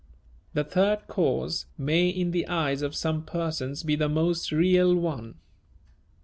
The third cause may in the eyes of some persons be the most real one.